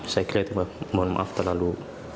saya kira itu mohon maaf terlalu